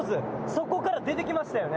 そこから出てきましたよね。